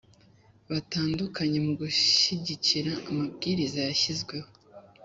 batandukanye mu gushyigikira amabwiriza yashyizweho